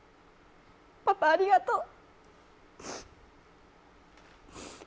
パパ、ありがとう。